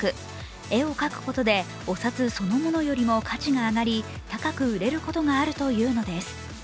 絵を描くことでお札そのものよりも価値が上がり高く売れることがあるというのです。